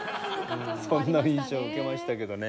そんな印象を受けましたけどね。